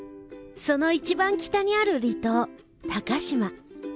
その一番北にある離島鷹島。